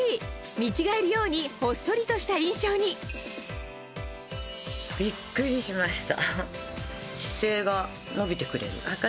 見違えるようにほっそりとした印象にびっくりしました！